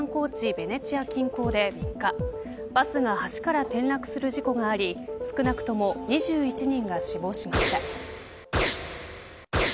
ベネチア近郊で３日バスが橋から転落する事故があり少なくとも２１人が死亡しました。